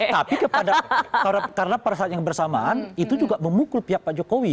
tapi karena pada saat yang bersamaan itu juga memukul pihak pak jokowi